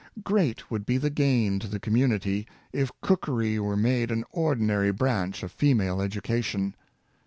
Great would be the gain to the community if cookery were made an ordinary branch of female education.